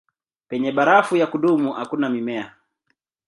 Penye barafu ya kudumu hakuna mimea.